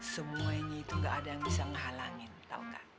semuanya itu gak ada yang bisa nghalangin tau kak